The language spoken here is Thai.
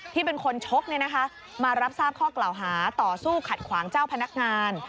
ที่เป็นคนชกมารับทราบข้อกล่าวหาต่อสู้ขัดขวางเจ้าพนักงาน